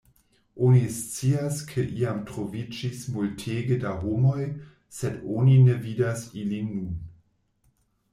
Oni scias ke iam troviĝis multege da homoj, sed oni ne vidas ilin nun.